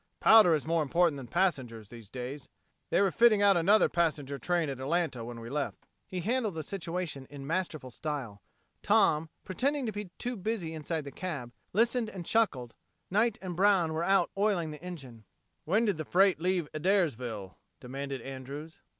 Powder is more important than passengers these days. They were fitting out another passenger train at Atlanta when we left." He handled the situation in masterful style. Tom, pretending to be busy inside the cab, listened and chuckled. Knight and Brown were out oiling the engine. "When did the freight leave Adairsville?" demanded Andrews.